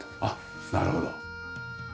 あっなるほど。